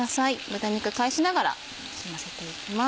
豚肉返しながらなじませていきます。